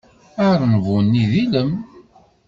Arenbu-nni d ilem.